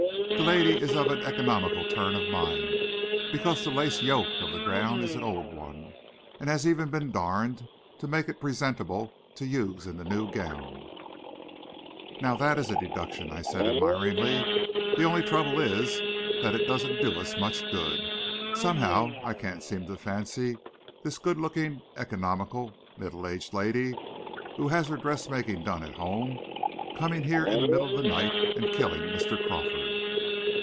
The lady is of an economical turn of mind, because the lace yoke of the gown is an old one, and has even been darned to make it presentable to use in the new gown." "Now that is deduction," I said admiringly; "the only trouble is, that it doesn't do us much good. Somehow I can't seem to fancy this good looking, economical, middle aged lady, who has her dressmaking done at home, coming here in the middle of the night and killing Mr. Crawford."